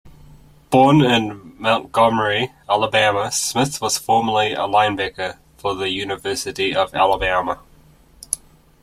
Born in Montgomery, Alabama, Smith was formerly a linebacker for the University of Alabama.